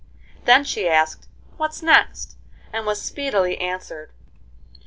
Then she asked, "What next?" and was speedily answered.